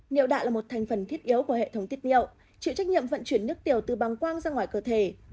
nhiệu đạo là một thành phần thiết yếu của hệ thống tiết niệu chịu trách nhiệm vận chuyển nước tiểu từ bằng quang ra ngoài cơ thể